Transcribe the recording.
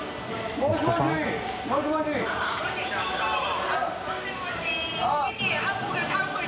もしもし。